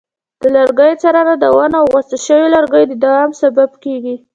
د لرګیو څارنه د ونو او غوڅ شویو لرګیو د دوام سبب کېږي.